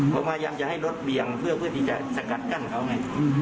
ผมพยายามจะให้รถเบี่ยงเพื่อที่จะสกัดกั้นเขาไง